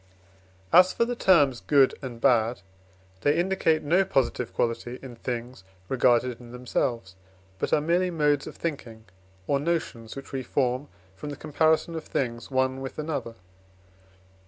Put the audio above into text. As for the terms good and bad, they indicate no positive quality in things regarded in themselves, but are merely modes of thinking, or notions which we form from the comparison of things one with another.